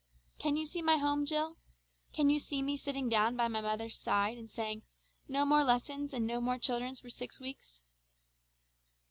Can you see my home, Jill? Can you see me sitting down by my mother's side, and saying, 'No more lessons, and no more children for six weeks'?"